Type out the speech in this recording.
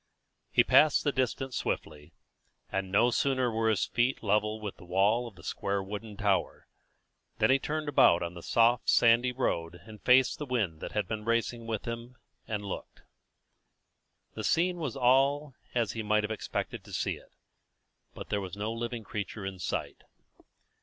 He passed the distance swiftly, and no sooner were his feet level with the wall of the square wooden tower, than he turned about on the soft sandy road and faced the wind that had been racing with him, and looked. The scene was all as he might have expected to see it; but there was no living creature in sight.